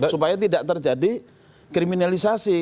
supaya tidak terjadi kriminalisasi